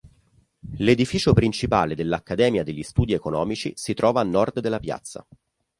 L'edificio principale dell'Accademia degli studi economici si trova a nord della piazza.